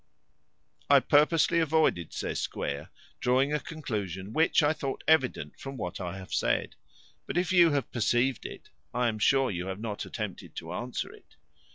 "I purposely avoided," says Square, "drawing a conclusion which I thought evident from what I have said; but if you perceived it, I am sure you have not attempted to answer it.